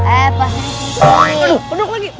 eh pak sri kiti